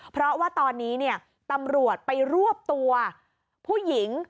เพราะว่าตอนนี้เนี่ยตำรวจไปรวบตัวผู้หญิง